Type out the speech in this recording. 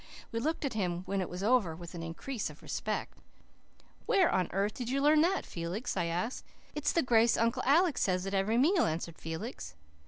We looked at him when it was over with an increase of respect. "Where on earth did you learn that, Felix?" I asked. "It's the grace Uncle Alec says at every meal," answered Felix.